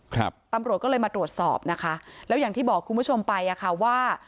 ครับตำรวจก็เลยมาตรวจสอบนะคะแล้วอย่างที่บอกคุณผู้ชมไปอ่ะค่ะว่า